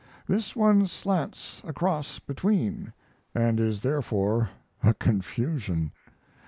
This one slants across between, & is therefore a confusion.